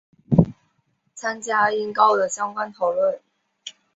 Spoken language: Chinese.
参见音高的相关讨论。